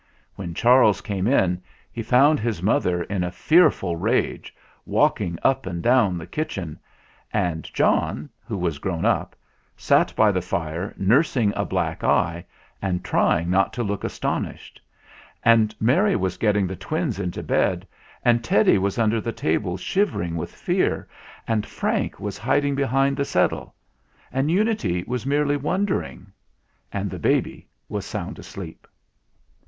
When Charles came in, he found his mother in a fearful rage, walking up and down the kitchen ; and John, who was grown up, sat by the fire nursing a black eye and trying not to look astonished; and Mary was getting the twins into bed ; and Teddy was under the table shivering with fear; and Frank was hiding behind the settle ; and Unity was merely won dering ; and the baby was sound asleep.